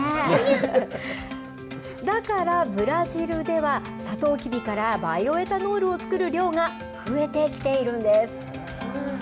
だからブラジルではさとうきびからバイオエタノールを作る量が増えてきているんです。